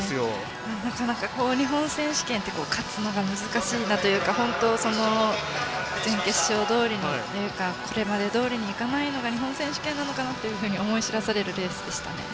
なかなか日本選手権って勝つのが難しいというか準決勝どおりというかこれまでどおりにいかないのが日本選手権なのかなと思い知らされるレースでしたね。